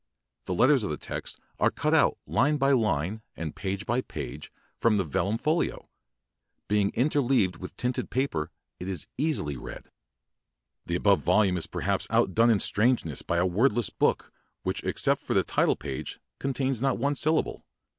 The let ters of the text are cut out line by line and page by page from the vellum folio. Being interleaved with tinted paper, it is easily read. The above volume is perhapa out done in strangeness by a Wordless Book which except for the title page contains not one syllable.